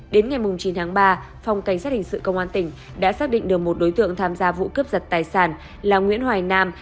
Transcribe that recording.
đến ngày chín tháng ba phòng cảnh sát hình sự công an tỉnh đã xác định được một đối tượng tham gia vụ cướp giật tài sản là nguyễn hoài nam